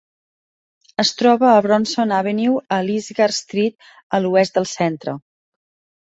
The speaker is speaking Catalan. Es troba a Bronson Avenue a Lisgar Street a l'oest del centre.